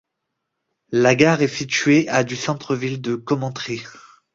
La gare est située à du centre ville de Commentry.